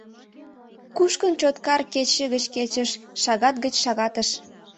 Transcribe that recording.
Кушкын Чоткар кече гыч кечыш, шагат гыч шагатыш.